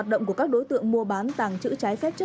trong quá trình đấu tranh triệt phá